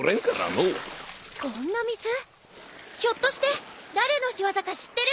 ひょっとして誰の仕業か知ってる？